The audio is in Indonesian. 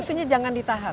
maksudnya jangan ditahan